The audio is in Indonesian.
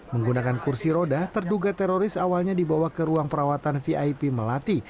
menggunakan kursi roda terduga teroris awalnya dibawa ke ruang perawatan vip melati